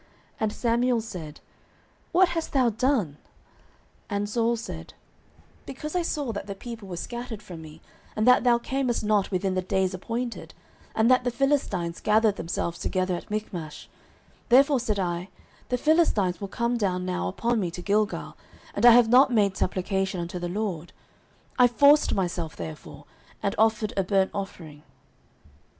09:013:011 And Samuel said, What hast thou done? And Saul said, Because I saw that the people were scattered from me, and that thou camest not within the days appointed, and that the Philistines gathered themselves together at Michmash; 09:013:012 Therefore said I, The Philistines will come down now upon me to Gilgal, and I have not made supplication unto the LORD: I forced myself therefore, and offered a burnt offering.